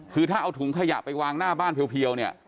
คือถ้าเอาถุงขยะไปวางหน้าบ้านเพียวเนี่ย